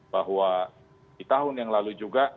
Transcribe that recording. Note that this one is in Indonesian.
bahwa di tahun yang lalu juga